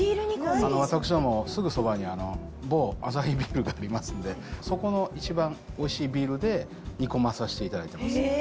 私どもすぐそばに某アサヒビールがありますんでそこの一番おいしいビールで煮込まさしていただいてます。